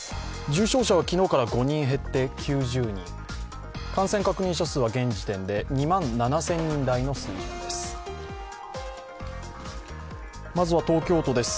重症者は昨日から５人減って９０人、感染確認者数は現時点で２万７０００人台の水準です。